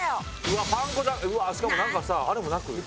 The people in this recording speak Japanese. しかもなんかさあれもなく？